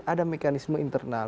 ada mekanisme internal